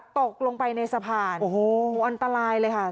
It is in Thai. ตกลงไปในสะพานโอ้โหอันตรายเลยค่ะ